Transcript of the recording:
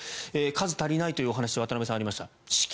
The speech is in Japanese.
数足りないというお話渡部さんありました。